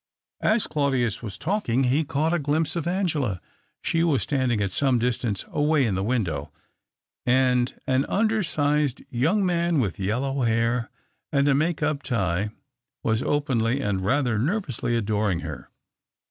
As Claudius was talking, he caught a glimpse of Angela. She was standing at some distance away in the window, and an undersized young man with yellow hair and a make up tie was openly and rather nervously adoring her.